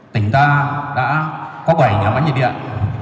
tỉnh ta đã có bảy nhà máy nhiệt điện